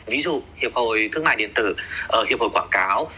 ví dụ hiệp hội thương mại điện tử hiệp hội quảng cáo